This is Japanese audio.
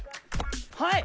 はい！